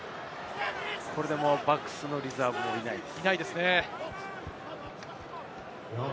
これでもうバックスのリザーブはいないです。